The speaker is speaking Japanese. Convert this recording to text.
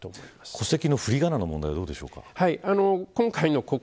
戸籍のふりがなの問題はどうでしょうか。